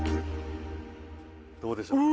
どうでしょう？